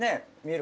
え